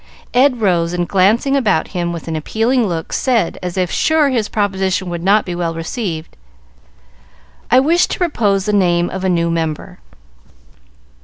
Ed rose, and glancing about him with an appealing look, said, as if sure his proposition would not be well received, "I wish to propose the name of a new member.